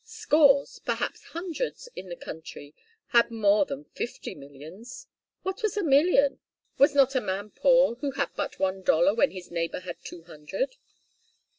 Scores, perhaps hundreds, in the country had more than fifty millions. What was a million? Was not a man poor who had but one dollar when his neighbour had two hundred?